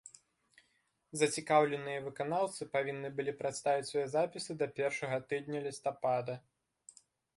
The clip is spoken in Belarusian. Зацікаўленыя выканаўцы павінны былі прадставіць свае запісы да першага тыдня лістапада.